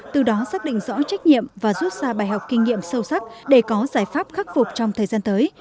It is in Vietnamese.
từ đó xác định rõ trách nhiệm và rút ra bài học kinh nghiệm sâu sắc để có giải pháp khắc phục trong thời gian tới